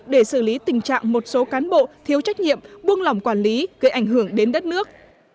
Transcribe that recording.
để xử lý tình trạng một số cán bộ thiếu trách nhiệm buông lỏng quản lý gây ảnh hưởng đến đất nước